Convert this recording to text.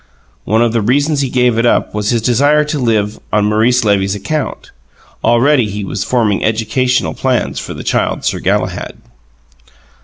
One of the reasons he gave it up was his desire to live on Maurice Levy's account: already he was forming educational plans for the Child Sir Galahad.